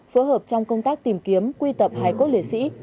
phối hợp trong công tác tìm kiếm quy tập hay cốt liệt sĩ